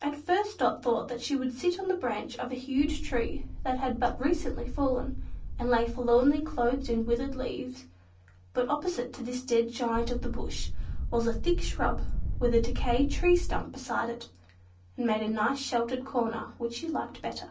At first Dot thought that she would sit on the branch of a huge tree that had but recently fallen, and lay forlornly clothed in withered leaves; but opposite to this dead giant of the Bush was a thick shrub with a decayed tree stump beside it, that made a nice sheltered corner which she liked better.